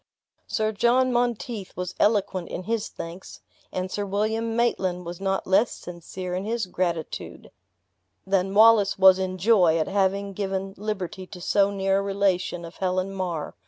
Sir John Monteith was eloquent in his thanks. And Sir William Maitland was not less sincere in his gratitude, than Wallace was in joy, at having given liberty to so near a relation of Helen Mar.